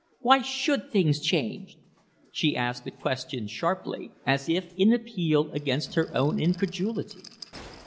Why should things change?" She asked the question sharp. ly, as if in appeal against her own incredulity.